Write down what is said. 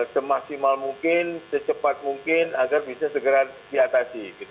semaksimal mungkin secepat mungkin agar bisa segera diatasi